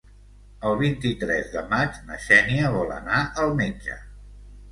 El vint-i-tres de maig na Xènia vol anar al metge.